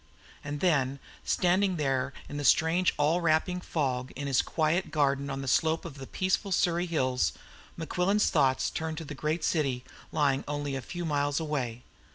And then, standing there in the strange all wrapping fog in his quiet garden on the slope of the peaceful Surrey hills, Mequillen's thoughts turned to the great city lying only a few miles away.